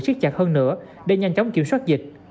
siết chặt hơn nữa để nhanh chóng kiểm soát dịch